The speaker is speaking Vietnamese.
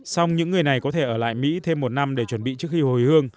sau những người này có thể ở lại mỹ thêm một năm để chuẩn bị trước khi hồi